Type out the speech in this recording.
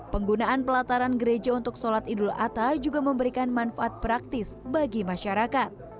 penggunaan pelataran gereja untuk sholat idul adha juga memberikan manfaat praktis bagi masyarakat